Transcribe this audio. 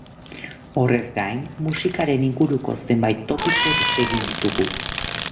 Horrez gain, musikaren inguruko zenbait topiko desegin ditugu.